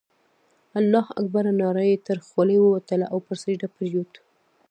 الله اکبر ناره یې تر خولې ووتله او پر سجده پرېوت.